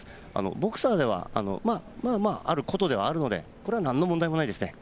ボクサーでは、まあまああることではあるのでこれは何の問題もないですね。